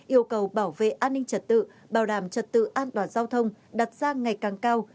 yêu cầu bảo vệ an ninh trật tự bảo đảm trật tự an toàn giao thông đặt ra ngày càng cao